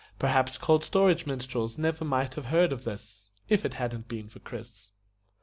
Perhaps cold storage minstrels never might have heard of this If it hadn't been for Chris.